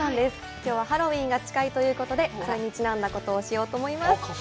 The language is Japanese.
きょうはハロウィーンが近いということで、それにちなんだことをしようと思います。